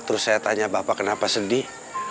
terus saya tanya bapak kenapa sedih